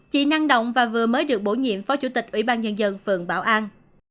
chị năng động và vừa mới được bổ nhiệm phó chủ tịch ubnd phường bảo an